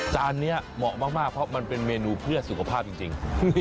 จานนี้เหมาะมากเพราะมันเป็นเมนูเพื่อสุขภาพจริง